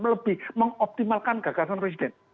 lebih mengoptimalkan gagasan presiden